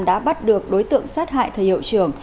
đã bắt được đối tượng sát hại thời hiệu trưởng